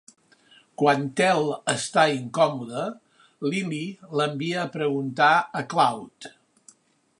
Quan Thel està incòmoda, Lily l'envia a preguntar a Cloud.